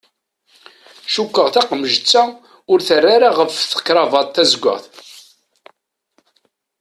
Cukkeɣ taqemǧet-a ur terra ara ɣef tekrabaṭ tazeggaɣt.